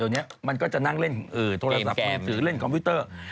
ตอนนี้มันก็จะนั่งเล่นโทรศัพท์หรือเล่นคอมพิวเตอร์